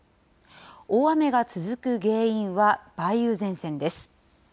大雨が続く原因は梅雨前線です。